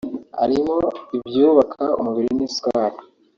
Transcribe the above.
arimo ibyubaka umubiri n’isukari